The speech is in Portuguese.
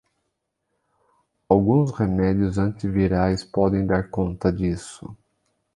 Alguns remédios antivirais podem dar conta disso